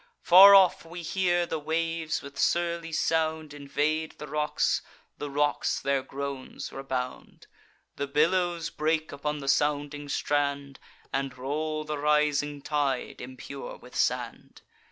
Far off we hear the waves with surly sound Invade the rocks, the rocks their groans rebound. The billows break upon the sounding strand, And roll the rising tide, impure with sand.